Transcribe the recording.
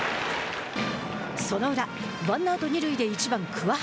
その裏、ワンアウト、二塁で１番桑原。